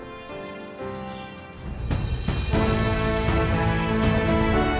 kepala kepala kepala